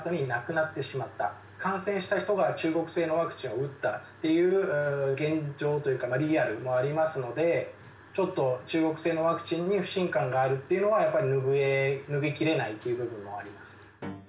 感染した人が中国製のワクチンを打ったっていう現状というかリアルもありますのでちょっと中国製のワクチンに不信感があるっていうのはやっぱり拭い切れないっていう部分もあります。